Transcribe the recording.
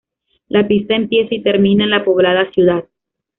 La pista empieza y termina en la poblada ciudad.